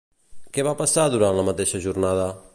Què va passar durant la mateixa jornada?